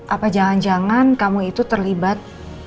apa jangan jangan kamu itu terlibat